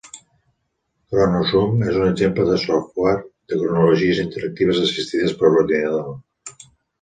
ChronoZoom és un exemple de software de cronologies interactives assistides per ordinador.